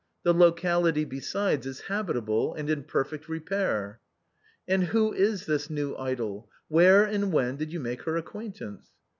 The locality besides is habi table and in perfect repair." "And who is this new idol? where and when did you make her acquaintance